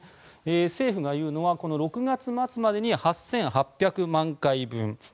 政府が言うのは６月末までに８８００万回分。